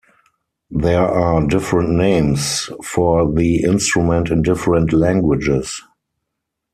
There are different names for the instrument in different languages.